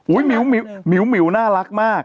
อุ้ยหมิ๋วหมิ๋วหน้ารักมาก